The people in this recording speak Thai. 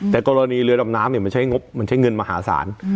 แต่กรณีเรือดำน้ำมันใช้งบมันใช้เงินมหาศาล